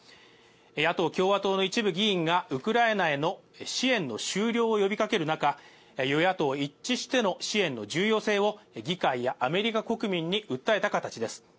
野党・共和党の一部議員がウクライナへの支援の終了を呼びかける中、与野党一致しての支援の重要性を議会やアメリカ国民に訴えた形です。